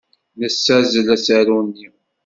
Nessazzel asaru-nni.